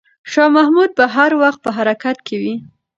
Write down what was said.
شاه محمود به هر وخت په حرکت کې وي.